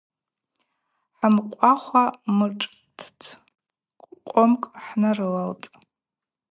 Хӏымкъвахуа мшӏтыдз къомкӏ хӏнарылалтӏ.